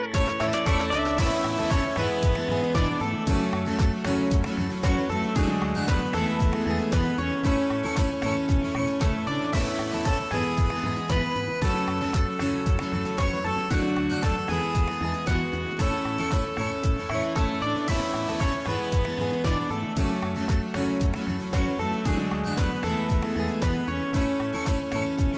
สวัสดีครับพี่สิทธิ์มหันธ์